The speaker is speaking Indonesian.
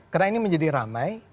karena ini menjadi ramai